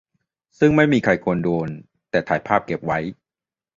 ซึ่งไม่มีใครควรโดน แต่ถ่ายเก็บไว้